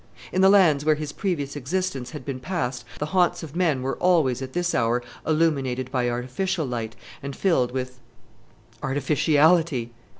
In the lands where his previous existence had been passed the haunts of men were always at this hour illuminated by artificial light and filled with artificiality!